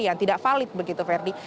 yang tidak valid begitu ferdi